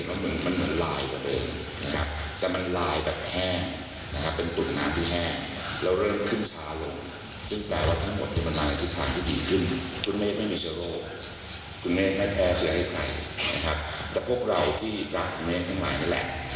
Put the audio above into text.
เราน่าจะเอาเชื้อมาใส่ให้คุณแม่